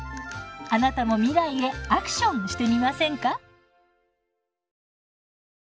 あなたも未来へアクションしてみませんか？